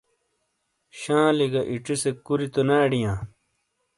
شالِیں گہ اِیڇی سے کُوری تو نے اڈیاں ؟